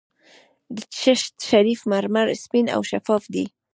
د چشت شریف مرمر سپین او شفاف دي.